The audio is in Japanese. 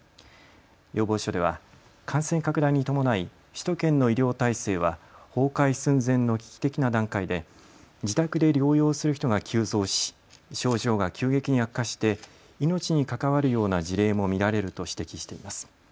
要望書では感染拡大に伴い首都圏の医療体制は崩壊寸前の危機的な段階で自宅で療養する人が急増し症状が急激に悪化して命に関わるような事例も見られると指摘しています。